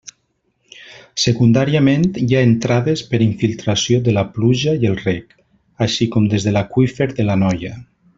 Secundàriament, hi ha entrades per infiltració de la pluja i el reg, així com des de l'aqüífer de l'Anoia.